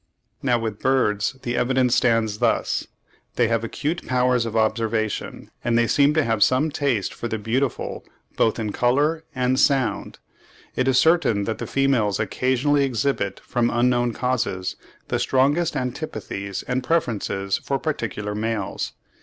Now with birds the evidence stands thus: they have acute powers of observation, and they seem to have some taste for the beautiful both in colour and sound. It is certain that the females occasionally exhibit, from unknown causes, the strongest antipathies and preferences for particular males.